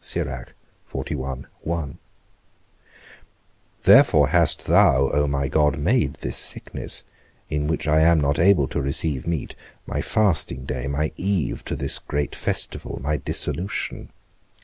_ Therefore hast thou, O my God, made this sickness, in which I am not able to receive meat, my fasting day, my eve to this great festival, my dissolution.